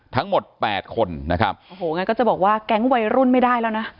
แปดคนนะครับโอ้โหงั้นก็จะบอกว่าแก๊งวัยรุ่นไม่ได้แล้วนะ